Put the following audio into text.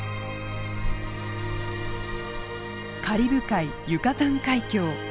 カリブ海ユカタン海峡。